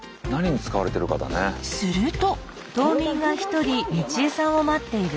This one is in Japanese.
すると。